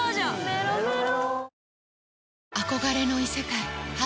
メロメロ